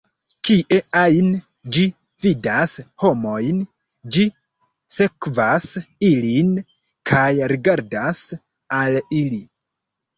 Kie ajn ĝi vidas homojn, ĝi sekvas ilin kaj rigardas al ili.